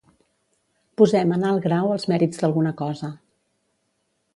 Posem en alt grau els mèrits d'alguna cosa.